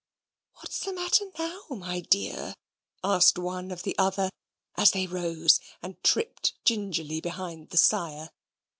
"What's the matter now, my dear?" asked one of the other, as they rose and tripped gingerly behind the sire.